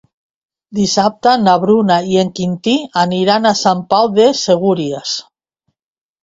Dissabte na Bruna i en Quintí aniran a Sant Pau de Segúries.